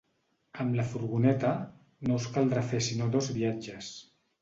Amb la furgoneta, no us caldrà fer sinó dos viatges.